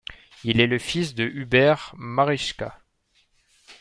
Il est le fils de Hubert Marischka.